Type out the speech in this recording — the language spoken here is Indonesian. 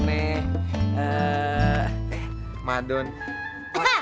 eh eh madone